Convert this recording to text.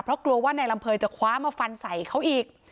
เพราะกลัวว่านายลำเภยจะคว้ามาฟันใส่เขาอีก